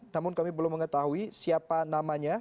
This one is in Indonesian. namun kami belum mengetahui siapa namanya